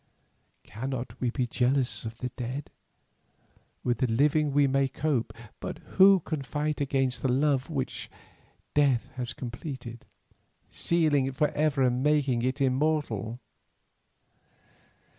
"Cannot we be jealous of the dead? With the living we may cope, but who can fight against the love which death has completed, sealing it for ever and making it immortal!